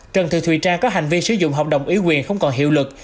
trần thị thùy trang có hành vi sử dụng hợp đồng ý quyền không còn hiệu lực